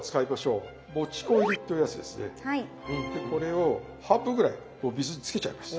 これを半分ぐらい水につけちゃいます。